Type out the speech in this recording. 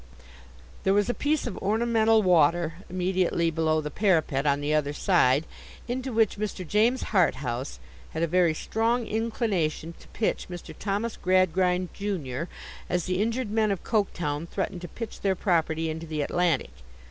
There was a piece of ornamental water immediately below the parapet, on the other side, into which Mr. James Harthouse had a very strong inclination to pitch Mr. Thomas Gradgrind junior, as the injured men of Coketown threatened to pitch their property into the Atlantic.